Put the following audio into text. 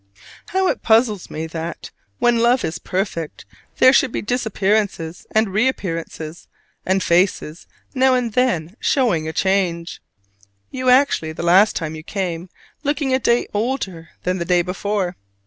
How it puzzles me that, when love is perfect, there should be disappearances and reappearances: and faces now and then showing a change! You, actually, the last time you came, looking a day older than the day before!